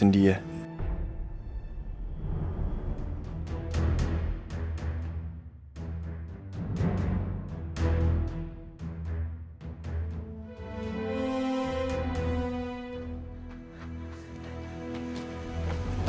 lu ditaruh sama saya